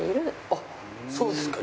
あっそうですか！